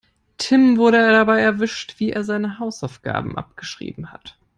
Tim wurde dabei erwischt, wie er seine Hausaufgaben abgeschrieben hat.